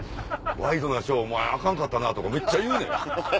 「『ワイドナショー』お前アカンかったな」とかめっちゃ言うねん。